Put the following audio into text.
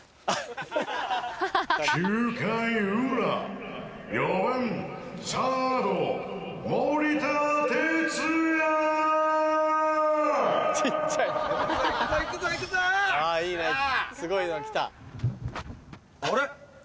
あれ？